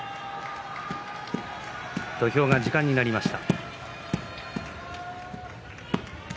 土俵が時間になりました。